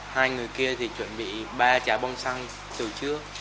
hai người kia chuẩn bị ba trái bong xăng từ trước